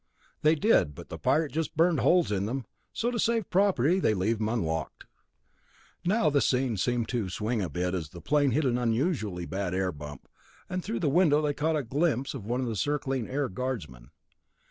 "They did, but the pirate just burned holes in them, so to save property they leave 'em unlocked." Now the scene seemed to swing a bit as the plane hit an unusually bad air bump, and through the window they caught a glimpse of one of the circling Air Guardsmen.